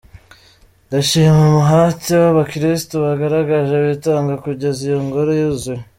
Ndashima umuhate w’abakirisitu bagaragaje bitanga kugeza iyi ngoro yuzuye.